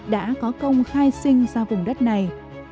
đã có công khai sinh ra vùng đất này